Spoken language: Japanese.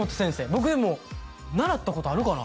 僕でも習ったことあるかな？